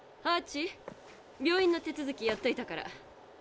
ハチ病院の手続きやっといたから。